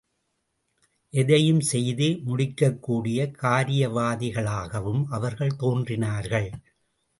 எதையும் செய்து முடிக்கக்கூடிய காரியவாதிகளாகவும் அவர்கள் தோன்றினார்கள்.